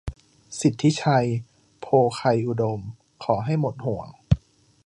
สิทธิชัย โภไคยอุดม : ขอให้หมดห่วง